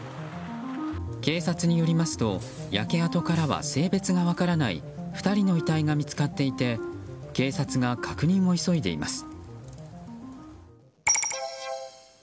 警察によりますと焼け跡からは性別が分からない２人の遺体が見つかっていて警察が確認を急いでいます。